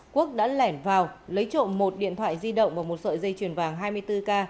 quốc đã lẻn vào lấy trộm một điện thoại di động và một sợi dây chuyền vàng hai mươi bốn k